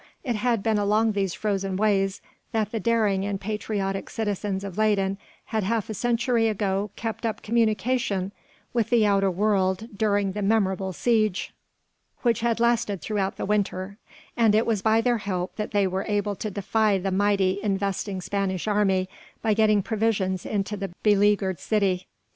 It had been along these frozen ways that the daring and patriotic citizens of Leyden had half a century ago kept up communication with the outer world during the memorable siege which had lasted throughout the winter, and it was by their help that they were able to defy the mighty investing Spanish army by getting provisions into the beleaguered city.